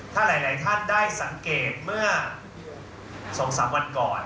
ถ้าหลายท่านได้สังเกตเมื่อ๒๓วันก่อน